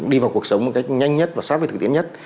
đi vào cuộc sống một cách nhanh nhất và sát với thực tiễn nhất